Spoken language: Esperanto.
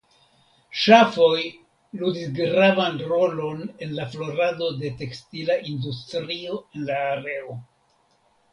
Ŝafoj ludis gravan rolon en la florado de tekstila industrio en la areo.